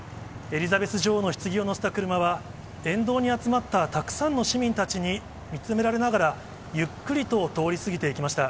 エリザベス女王のひつぎを乗せた車は、沿道に集まったたくさんの市民たちに見つめられながら、ゆっくりと通り過ぎていきました。